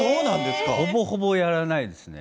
ほぼほぼ、やらないですね。